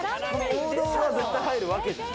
王道は絶対入るわけ。